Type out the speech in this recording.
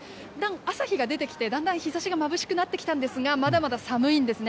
朝日が出てきて、だんだん日ざしがまぶしくなってきたんですが、まだまだ寒いんですね。